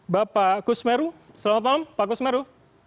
bapak kusmeru selamat malam pak kusmeru